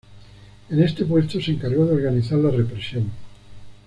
En este puesto se encargó de organizar la represión.